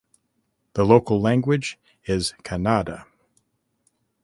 The local language is Kannada.